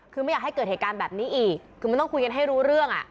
คือไม่อยากให้เกิดเหตุการณ์แบบนี้อีกคือมันต้องคุยกันให้รู้เรื่องอ่ะ